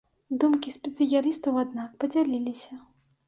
Думкі спецыялістаў, аднак, падзяліліся.